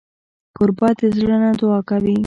کوربه د زړه نه دعا کوي.